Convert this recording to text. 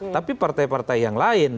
tapi partai partai yang lain